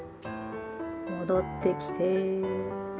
戻ってきて。